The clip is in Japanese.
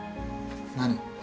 何？